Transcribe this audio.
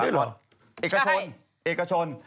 อักกะชนอักกะชน